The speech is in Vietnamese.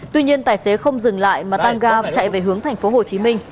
tuy nhiên tài xế không dừng lại mà tăng ga chạy về hướng tp hcm